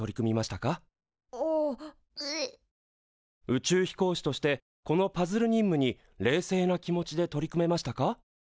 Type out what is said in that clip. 宇宙飛行士としてこのパズル任務に冷静な気持ちで取り組めましたか？